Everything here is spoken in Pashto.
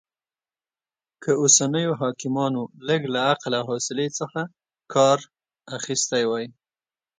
که اوسنيو حاکمانو لږ له عقل او حوصلې کار اخيستی وای